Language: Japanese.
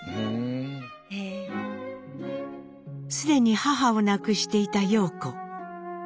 すでに母を亡くしていた様子。